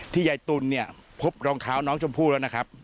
ยายตุ๋นเนี่ยพบรองเท้าน้องชมพู่แล้วนะครับ